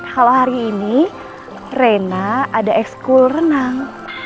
kalau hari ini reina ada ekskul renang